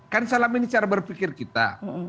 kan salam ini cara berpikir kita